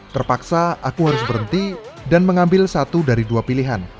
terpaksa aku harus berhenti dan mengambil satu dari dua pilihan